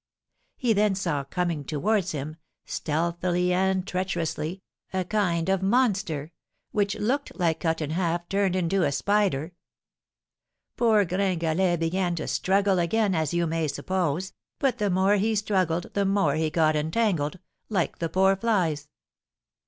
He then saw coming towards him, stealthily and treacherously, a kind of monster, which looked like Cut in Half turned into a spider. Poor Gringalet began to struggle again, as you may suppose, but the more he struggled the more he got entangled, like the poor flies.